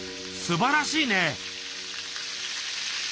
すばらしいね！